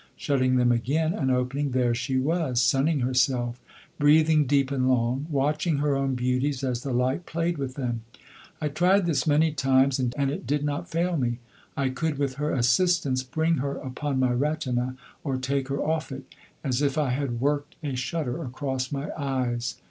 Shutting them again and opening, there she was, sunning herself, breathing deep and long, watching her own beauties as the light played with them. I tried this many times and it did not fail me. I could, with her assistance, bring her upon my retina or take her off it, as if I had worked a shutter across my eyes.